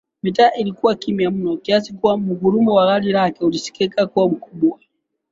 Mitaa ilikuwa kimya mno kiasi kuwa muungurumo wa gari lake ulisikika kuwa mkubwa